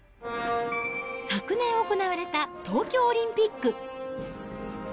昨年行われた東京オリンピック。